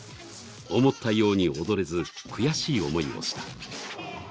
思ったように踊れず悔しい思いをした。